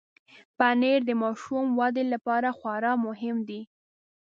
پنېر د ماشوم ودې لپاره خورا مهم دی.